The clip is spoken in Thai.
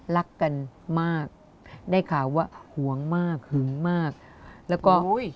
รักกันมากได้ข่าวว่าห่วงมากหึงมากแล้วก็อุ้ย